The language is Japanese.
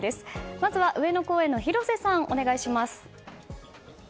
まずは上野公園から広瀬さんお願いします。